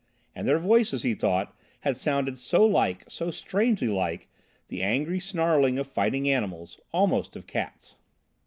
And their voices, he thought, had sounded so like, so strangely like, the angry snarling of fighting animals, almost of cats.